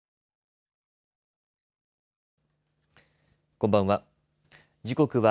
こんばんは。